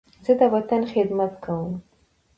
زه د وطن خدمت کوم.